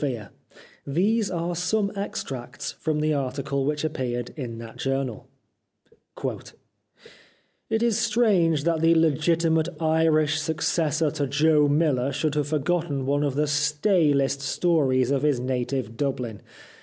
322 The Life of Oscar Wilde These are some extracts from the article which appeared in that journal :— "It is strange that the legitimate Irish suc cessor to Joe Miller should have forgotten one of the stalest stories of his native Dublin.